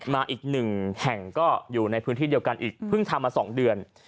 มาอีกหนึ่งแห่งก็อยู่ในพื้นที่เดียวกันอีกเพิ่งทำมา๒เดือน